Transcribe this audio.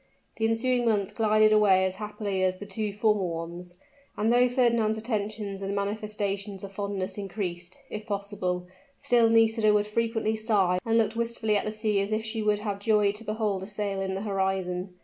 The ensuing month glided away as happily as the two former ones; and though Fernand's attentions and manifestations of fondness increased, if possible, still Nisida would frequently sigh and look wistfully at the sea as if she would have joyed to behold a sail in the horizon.